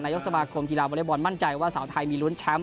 ยกสมาคมกีฬาวอเล็กบอลมั่นใจว่าสาวไทยมีลุ้นแชมป์